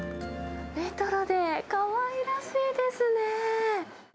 レトロでかわいらしいですね。